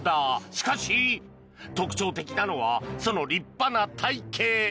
しかし特徴的なのはその立派な体形。